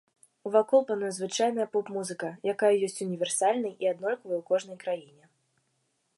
Вакол пануе звычайная поп-музыка, якая ёсць універсальнай і аднолькавай у кожнай краіне.